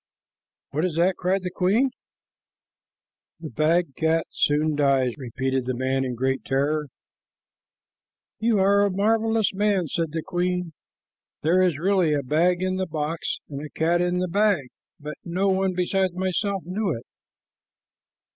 "What is that?" cried the queen. "The bagged cat soon dies," repeated the man in great terror. "You are a marvelous man," said the queen. "There is really a bag in the box and a cat in the bag, but no one besides myself knew it."